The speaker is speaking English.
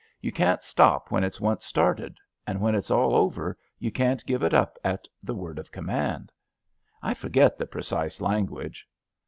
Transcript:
You can't stop when it's once started, and when it's all over you can't give it up at the word of command. I forget the precise language.